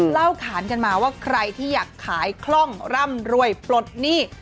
เล่าขานกันมาว่าใครที่อยากขายคล่องร่ำรวยปลดหนี้